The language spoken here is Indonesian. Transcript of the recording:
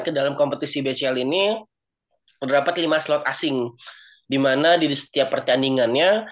ke dalam kompetisi bcl ini terdapat lima slot asing dimana di setiap pertandingannya